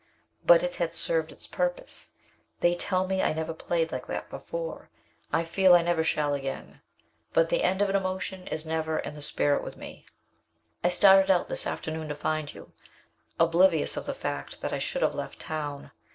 But it had served its purpose. They tell me I never played like that before. I feel I never shall again. But the end of an emotion is never in the spirit with me. "I started out this afternoon to find you, oblivious of the fact that I should have left town.